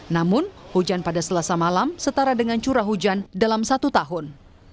namun hujan pada selasa malam setara dengan curah hujan dalam satu tahun